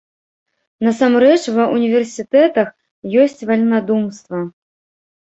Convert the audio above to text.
Насамрэч, ва ўніверсітэтах ёсць вальнадумства.